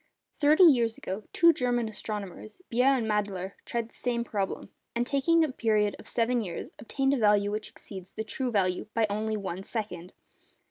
Thirty years ago, two German astronomers, Beer and Madler, tried the same problem, and taking a period of seven years, obtained a value which exceeds the true value by only one second.